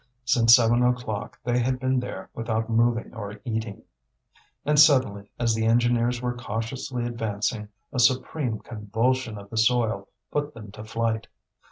Since seven o'clock they had been there without moving or eating. And suddenly, as the engineers were cautiously advancing, a supreme convulsion of the soil put them to flight.